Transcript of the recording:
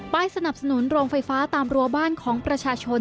สนับสนุนโรงไฟฟ้าตามรัวบ้านของประชาชน